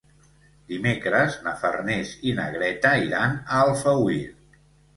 Dimecres na Farners i na Greta iran a Alfauir.